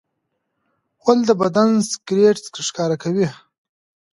غول د بدن سګرټ ښکاره کوي.